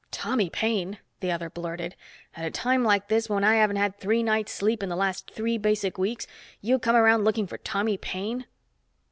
"Tommy Paine!" the other blurted. "At a time like this, when I haven't had three nights' sleep in the last three basic weeks, you come around looking for Tommy Paine?"